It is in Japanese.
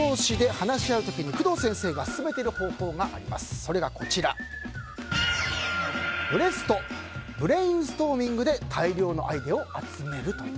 それがブレスト・ブレインストーミングで大量のアイデアを集めるという。